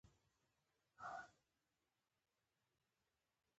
د سهار پښو ته دی لویدلی د تڼاکو ځنځیر